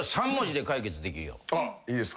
あっいいですか。